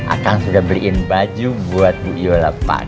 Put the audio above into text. akang sudah beliin baju buat bu iola pakai